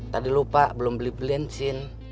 tadi lupa belum beli bensin